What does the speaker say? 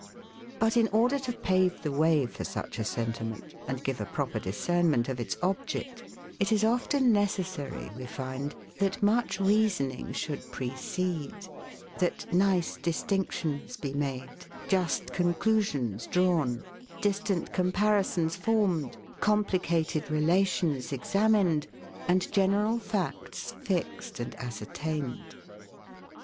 But in order to pave the way for such a sentiment, and give a proper discernment of its object, it is often necessary, we find, that much reasoning should precede, that nice distinctions be made, just conclusions drawn, distant comparisons formed, complicated relations examined, and general facts fixed and ascertained.